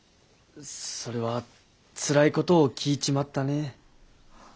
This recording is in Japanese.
それはつらいことを聞いちまったね。